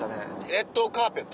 『レッドカーペット』？